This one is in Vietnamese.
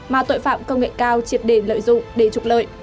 mà tội phạm công nghệ cao triệt đề lợi dụng để trục lợi